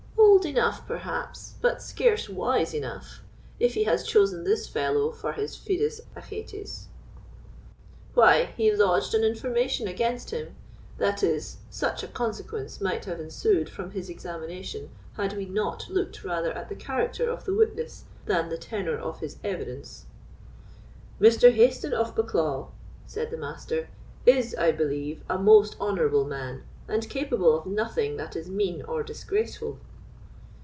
"Old enough, perhaps, but scarce wise enough, if he has chosen this fellow for his fidus Achates. Why, he lodged an information against him—that is, such a consequence might have ensued from his examination, had we not looked rather at the character of the witness than the tenor of his evidence." "Mr. Hayston of Bucklaw," said the master, "is, I believe, a most honourable man, and capable of nothing that is mean or disgraceful."